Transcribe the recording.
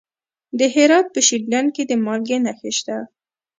د هرات په شینډنډ کې د مالګې نښې شته.